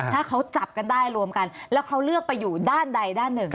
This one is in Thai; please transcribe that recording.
ถ้าเขาจับกันได้รวมกันแล้วเขาเลือกไปอยู่ด้านใดด้านหนึ่ง